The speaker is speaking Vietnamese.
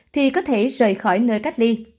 thì có thể rời khỏi nơi cách ly